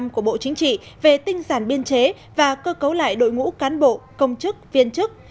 của bộ chính trị về tinh sản biên chế và cơ cấu lại đội ngũ cán bộ công chức viên chức